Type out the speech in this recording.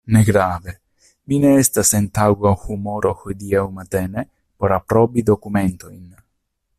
Negrave, mi ne estas en taŭga humoro hodiaŭ matene por aprobi dokumentojn.